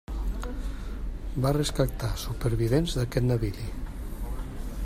Va rescatar supervivents d'aquest navili.